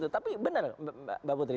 tapi benar mbak putri